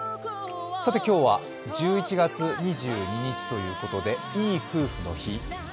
今日は、１１月２２日ということでいい夫婦の日。